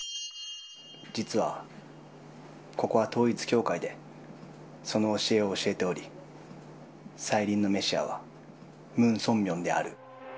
実は、ここは統一教会で、その教えを教えており、再臨のメシヤはムン・ソンミョンである。